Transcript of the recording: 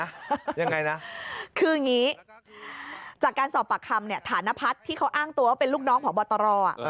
คือยังไงนะคืองี้จากการสอบปากคำนี้ฐานพัฒน์ที่เขาอ้างตัวเป็นลูกน้องของบวตรอ้อ